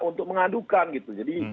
untuk mengadukan gitu jadi